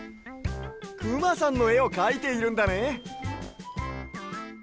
くまさんのえをかいているんだね。